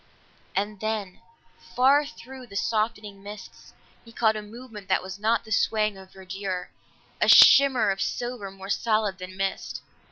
And then far through the softening mists, he caught a movement that was not the swaying of verdure, a shimmer of silver more solid than mist.